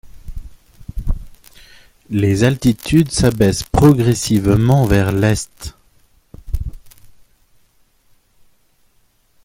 Les altitudes s'abaissent progressivement vers l'est.